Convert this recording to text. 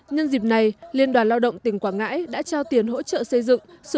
nhân dịp này liên đoàn lao động tỉnh quảng ngãi đã trao tiền hỗ trợ xây dựng